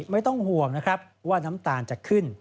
ไม่ต้องห่วงนะครับว่าน้ำตาลจะขึ้น